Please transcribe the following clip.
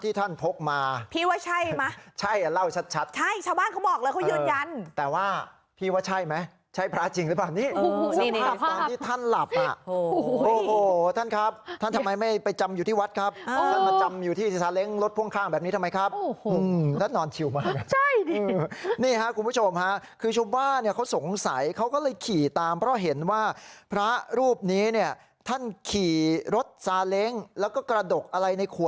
ที่ท่านพกมาพี่ว่าใช่มั้ยใช่ล่ะเล่าชัดใช่ชาวบ้านเขาบอกแล้ว